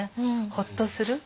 ほっとする。